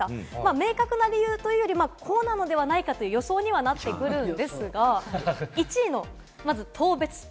明確な理由というよりこうなのではないかという予想にはなってくるんですが、１位の当別町。